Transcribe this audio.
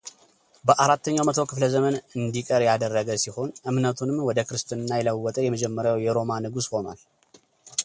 በአራተኛው መቶ ክፍለ ዘመን እንዲቀር ያደረገ ሲሆን እምነቱንም ወደ ክርስትና የለወጠ የመጀመሪያው የሮማ ንጉሥ ሆኗል።